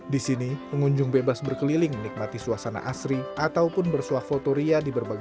di sini pengunjung bebas berkeliling menikmati suasana asri ataupun bersuah fotoria diberbagi